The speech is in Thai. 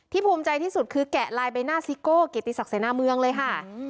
ภูมิใจที่สุดคือแกะลายใบหน้าซิโก้เกียรติศักดิเสนาเมืองเลยค่ะ